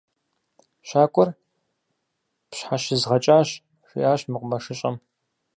Щакӏуэр пщхьэщызгъэкӏащ, - жиӏащ мэкъумэшыщӏэм.